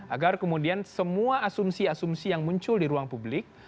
agar kemudian semua asumsi asumsi yang muncul di ruang publik